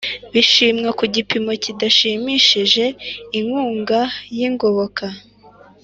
bishimwa ku gipimo kidashimishije inkunga y ingoboka